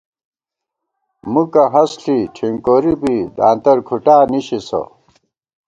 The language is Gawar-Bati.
مُکہ ہست ݪِی ٹھِنکوری بی دانترکھُٹا نِشِسہ